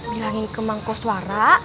bilangin ke mangkoswara